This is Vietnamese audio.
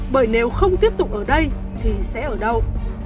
bởi nếu không tiếp tục ở đây thì sẽ ở đâu